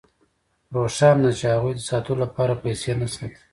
روښانه ده چې هغوی د ساتلو لپاره پیسې نه ساتي